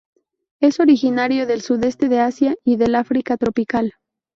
Es originario del sudeste de Asia y del África tropical.